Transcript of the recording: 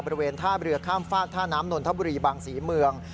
บริเวณท่าเรือข้ามฝากท่าน้ำนนทบุรีบางศรีเมือง